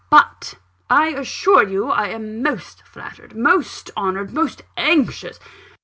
But I assure you I am most flattered, most honoured, most anxious